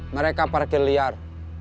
mereka parkir liar